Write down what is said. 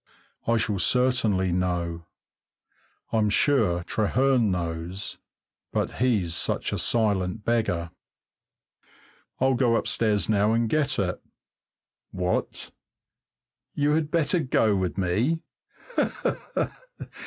I shall certainly know. I'm sure Trehearn knows, but he's such a silent beggar. I'll go upstairs now and get it. What? You had better go with me? Ha, ha!